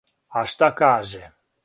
А шта каже?